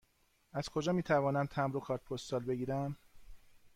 از کجا می توانم تمبر و کارت پستال بگیرم؟